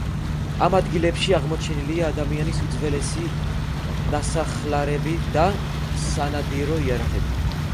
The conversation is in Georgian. ამ ადგილებში აღმოჩენილია ადამიანის უძველესი ნასახლარები და სანადირო იარაღები.